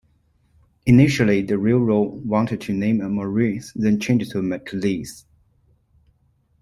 Initially, the railroad wanted to name it Morris, then changed to McLis.